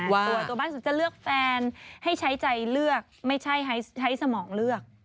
ส่วนตัวบ้านสุดจะเลือกแฟนให้ใช้ใจเลือกไม่ใช่ใช้สมองเลือก